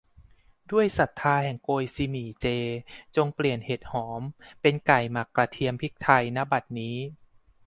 ด้วยศรัทธาแห่งโกยซีหมี่เจ จงเปลี่ยนเห็ดหอมเป็นไก่หมักกระเทียมพริกไทย ณ บัดนี้